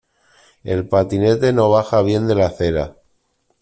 El patinete no baja bien de la acera.